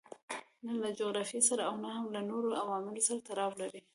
نه له جغرافیې سره او نه هم له نورو عواملو سره تړاو لري.